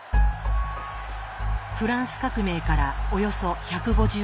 フランス革命からおよそ１５０年後。